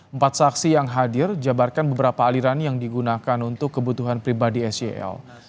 empat saksi yang hadir jabarkan beberapa aliran yang digunakan untuk kebutuhan pribadi sel